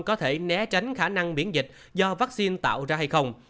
có thể né tránh khả năng miễn dịch do vaccine tạo ra hay không